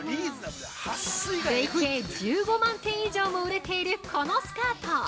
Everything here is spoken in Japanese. ◆累計１５万点以上も売れているこのスカート。